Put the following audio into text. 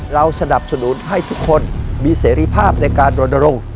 เราสนับสนุนให้ทุกคนมีเสรีภาพในการรณรงค์